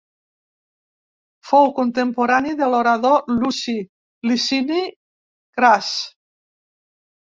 Fou contemporani de l'orador Luci Licini Cras.